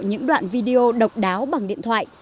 những đoạn video độc đáo bằng điện thoại